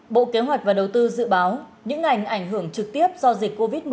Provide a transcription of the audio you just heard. bộ kế hoạch và đầu tư dự báo những ngành ảnh hưởng trực tiếp do dịch covid một mươi chín